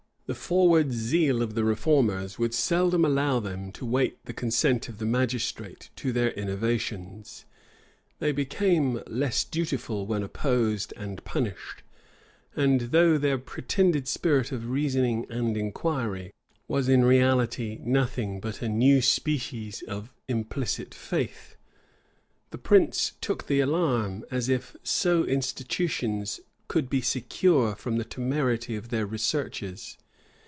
The forward zeal of the reformers would seldom allow them to wait the consent of the magistrate to their innovations: they became less dutiful when opposed and punished; and though their pretended spirit of reasoning and inquiry was in reality nothing but a new species of implicit faith, the prince took the alarm, as if so institutions could be secure from the temerity of their researches.